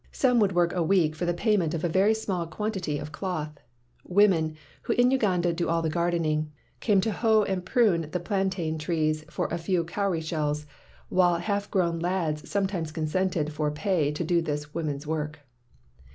Some would work a week for the payment of a very small quantity of cloth. Women, who in Uganda do all the gardening, came to hoe and prune 172 MACKAY'S NEW NAME the plantain trees for a few cowry shells, while half grown lads sometimes consented for pay to do this woman 's work.